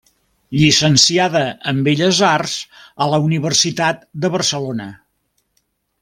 Llicenciada en Belles Arts a la Universitat de Barcelona.